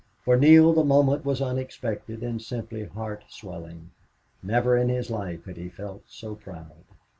For Neale the moment was unexpected and simply heart swelling. Never in his life had he felt so proud.